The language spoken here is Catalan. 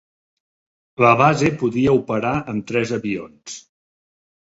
La base podia operar amb tres avions.